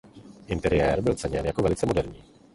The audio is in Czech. Interiér byl ceněn jako velice moderní.